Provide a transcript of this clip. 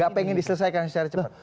tidak ingin diselesaikan secara cepat